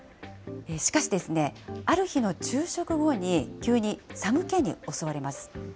しかし、ある日の昼食後に急に寒気に襲われます。